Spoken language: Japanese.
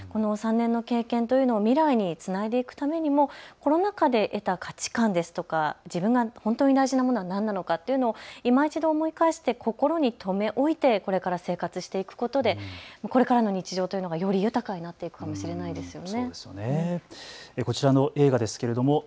この３年の経験、未来につないでいくためにもコロナ禍で得た価値観ですとか自分が本当に大事なものは何なのかというのをいま一度思い返して心に留め置いてこれから生活していくことで、これからの日常がより豊かになっていくかもしれないですよね。